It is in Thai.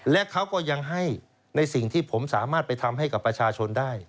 และเขาก็ยังให้ในสิ่งที่ผมสามารถไปทำให้กับประชาชนได้